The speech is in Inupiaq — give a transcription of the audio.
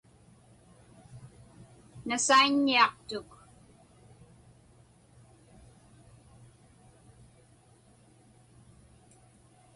Nasaiññiaqtuk.